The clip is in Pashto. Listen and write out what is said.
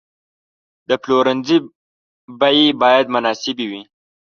د پلورنځي بیې باید مناسبې وي.